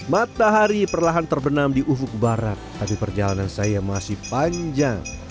matahari perlahan terbenam di ufuk barat tapi perjalanan saya masih panjang